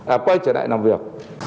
à quay trở lại làm việc